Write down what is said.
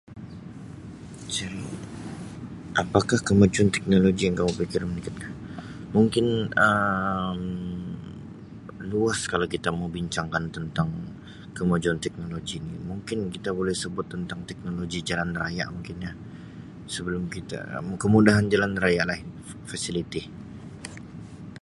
[unintelligible] Apakah kemajuan teknologi yang kamu pikir meningkatkan. Mungkin Um luas kalau kita mau bincangkan tentang kemajuan teknologi ni. Mungkin kita boleh sebut tentang teknologi jalan raya, mungkin ya. Sebelum kita Um kemudahan jalan raya lah, fasiliti.